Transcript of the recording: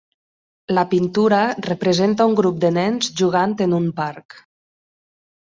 La pintura representa un grup de nens jugant en un parc.